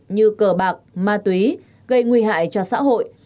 như cờ bạc ma túy gây nguy hại cho xã hội